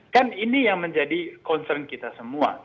kan ini yang menjadi concern kita semua